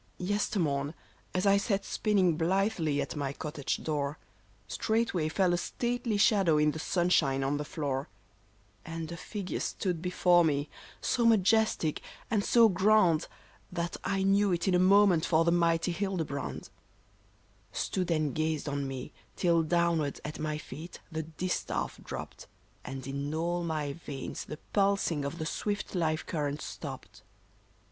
RENA 1 5 1 " Yestermorn, as I sat spinning blithely at my cottage door, Straightway fell a stately shadow in the sunshine on the floor ;" And a figure stood before me, so majestic and so grand, That I knew it in a moment for the mighty Hildebrand —" Stood and gazed on me till downward at my feet the distaff dropped, And in all my veins the pulsing of the swift life current stopped.